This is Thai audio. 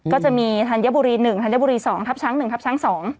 ก็จะมีธัญบุรี๑ธัญบุรี๒ทับช้าง๑ทับช้าง๒